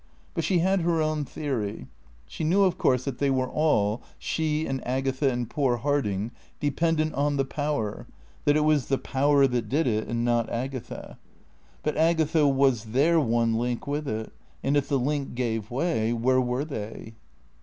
But she had her own theory. She knew of course that they were all, she and Agatha and poor Harding, dependent on the Power, that it was the Power that did it, and not Agatha. But Agatha was their one link with it, and if the link gave way where were they?